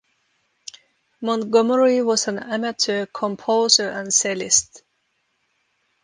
Montgomerie was an amateur composer and cellist.